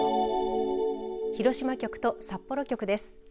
広島局と札幌局です。